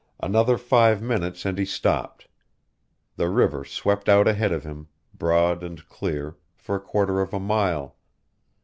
Another five minutes and he stopped. The river swept out ahead of him, broad and clear, for a quarter of a mile.